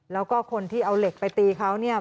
แล้วก็คนที่เอาเหล็กไปตีเขาเนี่ย